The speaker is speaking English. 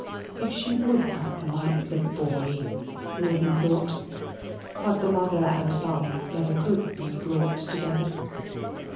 If she would but like the boy! Rawdon thought. But the mother and son never could be brought together.